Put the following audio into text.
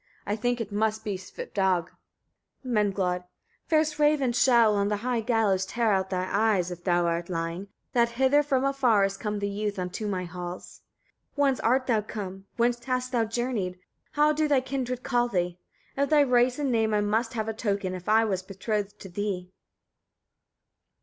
I think it must be Svipdag. Menglod. 46. Fierce ravens shall, on the high gallows, tear out thy eyes, if thou art lying, that hither from afar is come the youth unto my halls. 47. Whence art thou come? Whence hast thou journeyed? How do thy kindred call thee? Of thy race and name I must have a token, if I was betrothed to thee.